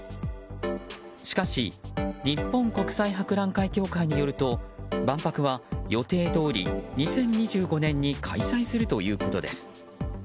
しかし日本国際博覧会協会によると万博は予定どおり２０２５年に開催するということです。